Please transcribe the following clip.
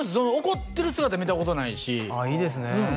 怒ってる姿見たことないああいいですね